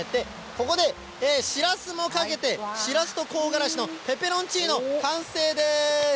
ここでシラスもかけて、シラスと香辛子のペペロンチーノ、完成です。